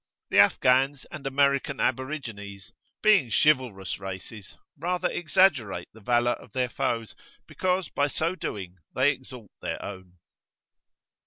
The Afghans and American aborigines, being chivalrous races, rather exaggerate the valour of their foes, because by so doing they exalt their own.